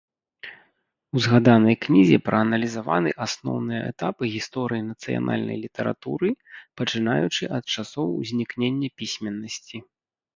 У згаданай кнізе прааналізаваны асноўныя этапы гісторыі нацыянальнай літаратуры, пачынаючы ад часоў узнікнення пісьменнасці.